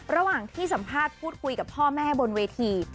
ระหว่างที่สัมภาษณ์พูดคุยกับพ่อแม่บนเวที